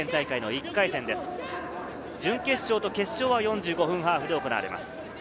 準決勝と決勝は４５分ハーフで行われます。